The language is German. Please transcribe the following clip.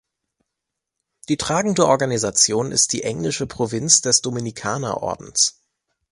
Die tragende Organisation ist die Englische Provinz des Dominikanerordens.